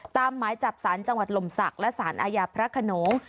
หมายจับสารจังหวัดลมศักดิ์และสารอาญาพระขนง